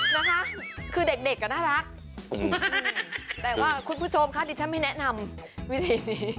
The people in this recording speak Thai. นะคะคือเด็กเด็กอ่ะน่ารักแต่ว่าคุณผู้ชมคะดิฉันไม่แนะนำวิธีนี้